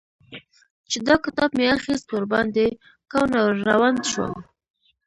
چې دا کتاب مې اخيست؛ ور باندې کوڼ او ړونډ شوم.